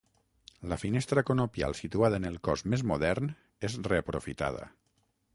La finestra conopial situada en el cos més modern és reaprofitada.